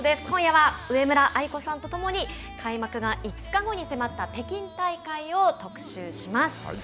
今夜は上村愛子さんと共に開幕が５日後に迫った北京大会を特集します。